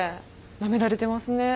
なめられてますね。